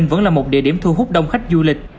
vẫn là một địa điểm thu hút đông khách du lịch